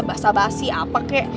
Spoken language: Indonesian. basah basi apa kek